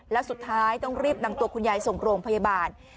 แล้วสุดท้ายต้องรีบนำตัวคุณยายส่งโรงพยาบาล